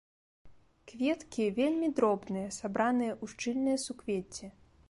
Кветкі вельмі дробныя, сабраныя ў шчыльныя суквецці.